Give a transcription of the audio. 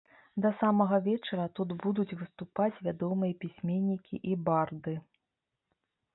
Да самага вечара тут будуць выступаць вядомыя пісьменнікі і барды.